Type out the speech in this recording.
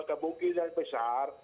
kebukit dan besar